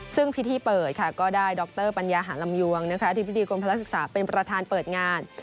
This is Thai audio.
ซึ่งพิธีเปิดค่ะก็ได้ดรปัญญาหาลำยวงอธิบดีกรมพลักษึกษาเป็นประธานเปิดงาน